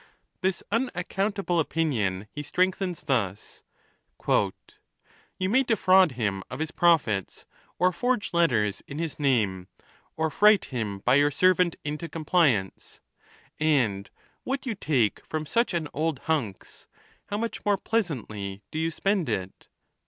345 This unaccountable opinion he strengthens thus : You may defraud him of his profits, or forge letters in his name, Or fright him by your servant into compliance ; And what you take from such an old hunks, How much more pleasantly do you spend it!